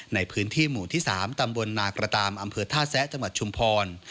ในพื้นที่หมู่ที่๓ตำบลนากระตามอำเภอท่าแซะจังหวัดชุมพร